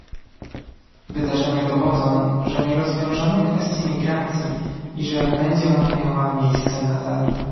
Wydarzenia dowodzą, że nie rozwiążemy kwestii imigracji i że będzie ona miała miejsce nadal